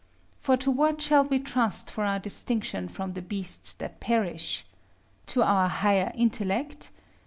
For to what shall we trust for our distinction from the beasts that perish? To our higher intellect?